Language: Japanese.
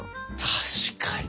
確かに！